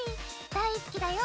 大好きだよ。